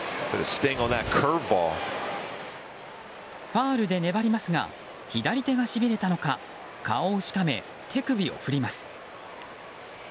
ファウルで粘りますが左手がしびれたのか顔をしかめ、手首を振ります。